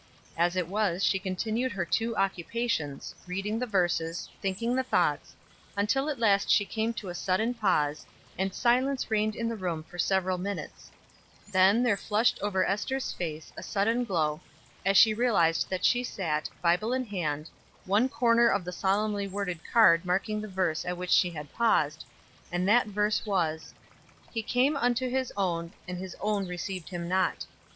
As it was she continued her two occupations, reading the verses, thinking the thoughts, until at last she came to a sudden pause, and silence reigned in the room for several minutes; then there flushed over Ester's face a sudden glow, as she realized that she sat, Bible in hand, one corner of the solemnly worded card marking the verse at which she had paused, and that verse was: "He came unto his own, and his own received him not."